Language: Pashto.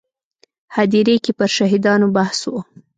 هدیرې کې پر شهیدانو بحث و.